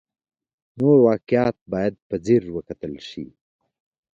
نور واقعیات باید په ځیر وکتل شي.